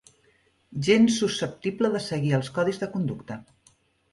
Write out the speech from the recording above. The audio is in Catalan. Gens susceptible de seguir els codis de conducta.